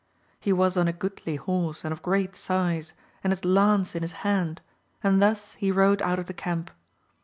He was on a goodly horse and of great size, and his lance in his hand, and thus he rode out of the camp.